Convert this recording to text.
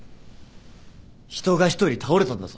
人が一人倒れたんだぞ。